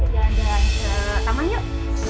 jangan ke taman yuk